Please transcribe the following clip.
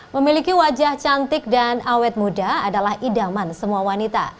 memiliki wajah cantik dan awet muda adalah idaman semua wanita